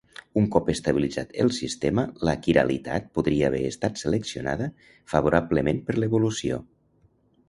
Un cop estabilitzat el sistema, la quiralitat podria haver estat seleccionada favorablement per l'evolució.